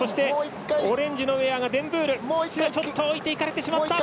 オレンジのウェア、デンブール土屋置いていかれてしまった。